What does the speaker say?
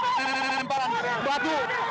meremparan batu ke arah